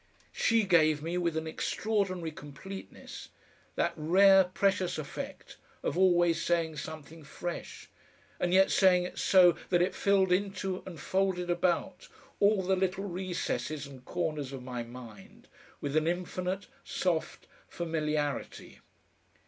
She gave me, with an extraordinary completeness, that rare, precious effect of always saying something fresh, and yet saying it so that it filled into and folded about all the little recesses and corners of my mind with an infinite, soft familiarity.